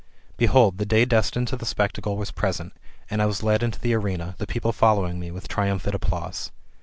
Behold, the day destined to the spectacle was present, and I was led into the arena, the people following me with triumphant applause.